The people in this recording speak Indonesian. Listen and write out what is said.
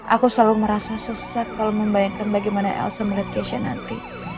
aku selalu merasa sesak kalau membayangkan bagaimana elsa melihat asia nanti